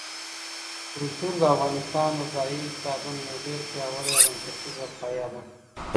کلتور د افغانستان د ځایي اقتصادونو یو ډېر پیاوړی او بنسټیز پایایه دی.